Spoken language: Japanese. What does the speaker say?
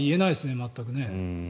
全く。